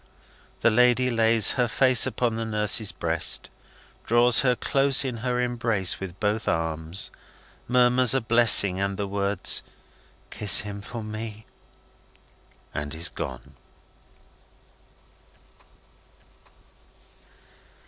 The lady lays her face upon the nurse's breast, draws her close in her embrace with both arms, murmurs a blessing and the words, "Kiss him for me!" and is gone.